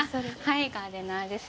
はい、ガーデナーです。